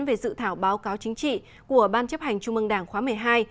về dự thảo báo cáo chính trị của ban chấp hành trung mương đảng khóa một mươi hai